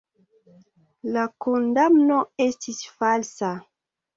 La kondamno estis falsa.